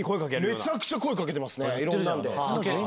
めちゃくちゃ声かけてますね。